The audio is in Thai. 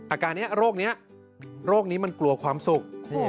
อาการนี้โรคนี้โรคนี้มันกลัวความสุข